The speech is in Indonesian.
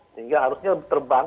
sehingga harusnya terbang